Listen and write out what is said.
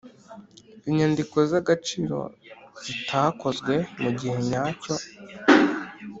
inyandiko z agaciro zitakozwe mu gihe nyacyo